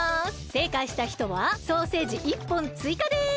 せいかいしたひとはソーセージ１ぽんついかです！